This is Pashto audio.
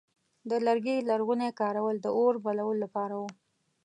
د لرګي لرغونی کارول د اور بلولو لپاره و.